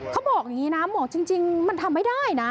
เขาบอกอย่างนี้นะหมอกจริงมันทำไม่ได้นะ